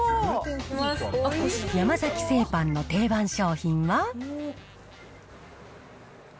山崎製パンの定番商品は。